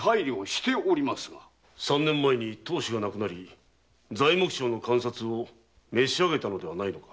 三年前に当主が亡くなり材木商の鑑札を召し上げたのではないのか。